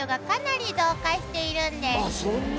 「かなり増加しているんです」